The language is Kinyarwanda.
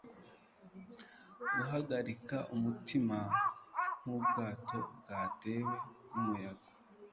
Guhagarika umutima nkubwato bwatewe numuyaga